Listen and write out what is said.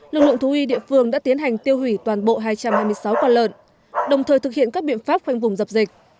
lực lượng thú y địa phương đã tiến hành tiêu hủy toàn bộ hai trăm hai mươi sáu quả lợn đồng thời thực hiện các biện pháp khoanh vùng dập dịch